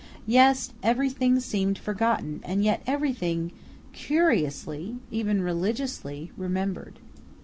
Yes, everything seemed forgotten and yet everything, curiously even religiously remembered.